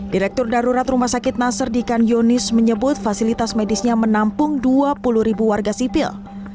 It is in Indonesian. direktur darurat rumah sakit nasardikan yonis menyebut fasilitas medisnya menampung dua puluh ribu warga sipil